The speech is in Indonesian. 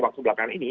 waktu belakangan ini